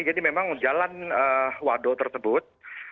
jadi memang jalan waduh tersebut